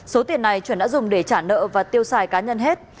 số tiền này chuẩn đã dùng để trả nợ và tiêu xài cá nhân hết